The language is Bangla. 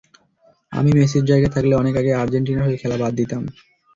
আমি মেসির জায়গায় থাকলে অনেক আগেই আর্জেন্টিনার হয়ে খেলা বাদ দিতাম।